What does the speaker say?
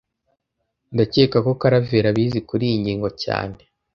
Ndakeka ko Karaveri abizi kuriyi ngingo cyane